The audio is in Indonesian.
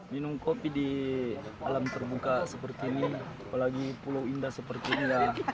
minum kopi di alam terbuka seperti ini apalagi pulau indah seperti ini